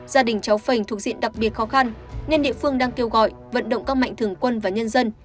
gia đình cháu phành thuộc diện đặc biệt khó khăn nên địa phương đang kêu gọi vận động các mạnh thường quân và nhân dân